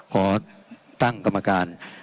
ขอตั้งกรรมการ